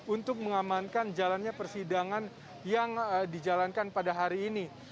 untuk mengamankan jalannya persidangan yang dijalankan pada hari ini